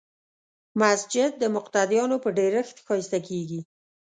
مسجد د مقتدیانو په ډېرښت ښایسته کېږي.